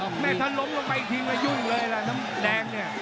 แม่ทะลมลงไปอีกทีแล้วอยู่อีกเลยล่ะน้ำแดงเนี่ย